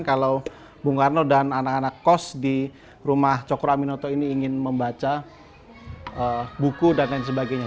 kalau bung karno dan anak anak kos di rumah cokro aminoto ini ingin membaca buku dan lain sebagainya